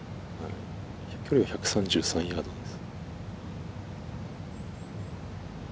距離は１３３ヤードです。